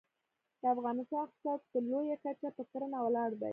د افغانستان اقتصاد په لویه کچه په کرنه ولاړ دی